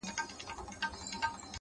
دا سړی څوک وو چي ژړا يې کړم خندا يې کړم;